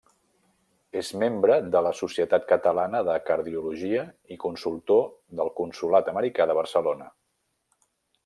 És membre de la Societat Catalana de Cardiologia i consultor del Consolat Americà de Barcelona.